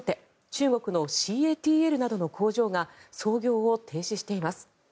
中国のＣＡＴＬなどの工場が操業を停止しています。